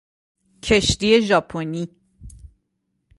کشتی ژاپنی